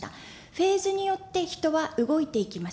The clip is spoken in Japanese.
フェーズによって人は動いていきます。